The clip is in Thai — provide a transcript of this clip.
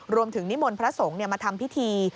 รวมถึงนิมนต์พระสงฆ์มาทำพิธี